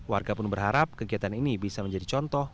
warga pun berharap kegiatan ini bisa menjadi contoh